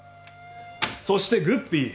そしてグッピー。